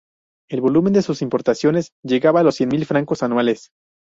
El volumen de sus importaciones llegaba a los cien mil francos anuales.